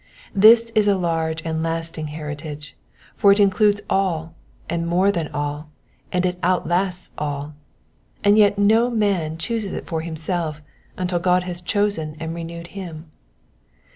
This is a large and lasting heritage, for it includes all, and more than all, and it outlasts all ; and yet no man chooses it for himself until God has chosen and renewed him.